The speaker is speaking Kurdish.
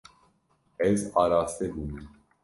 Ez araste bûme.